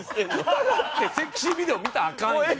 疑ってセクシービデオ見たらアカンよ。